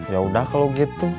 ya udah kalau gitu